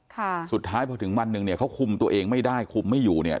ค่ะสุดท้ายพอถึงวันหนึ่งเนี่ยเขาคุมตัวเองไม่ได้คุมไม่อยู่เนี่ย